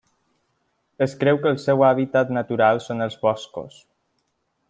Es creu que el seu hàbitat natural són els boscos.